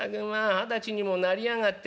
二十歳にもなりやがって。